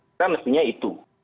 kita mestinya itu